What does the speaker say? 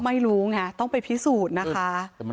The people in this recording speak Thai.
ไม่รู้ไงต้องไปพิสูจน์นะคะ